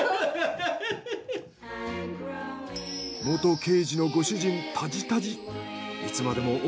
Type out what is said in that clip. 元刑事のご主人たじたじ。